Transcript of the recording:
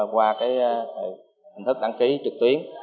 qua hình thức đăng ký trực tuyến